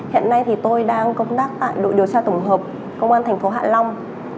hiện nay thì tôi đang công tác tại đội điều tra tổng hợp công an thành phố hạ long